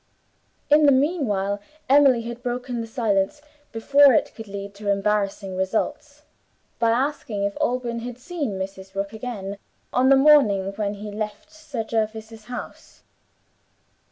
In the meanwhile Emily had broken the silence, before it could lead to embarrassing results, by asking if Alban had seen Mrs. Rook again, on the morning when he left Sir Jervis's house.